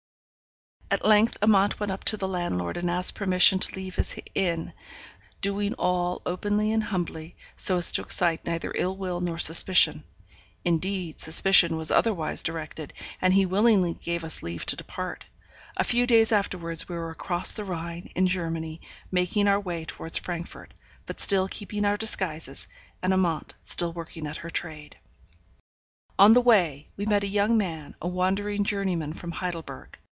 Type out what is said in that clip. At length Amante went up to the landlord, and asked permission to leave his inn, doing all openly and humbly, so as to excite neither ill will nor suspicion. Indeed, suspicion was otherwise directed, and he willingly gave us leave to depart. A few days afterwards we were across the Rhine, in Germany, making our way towards Frankfort, but still keeping our disguises, and Amante still working at her trade. On the way, we met a young man, a wandering journeyman from Heidelberg.